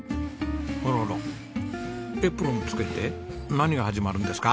あららエプロン着けて何が始まるんですか？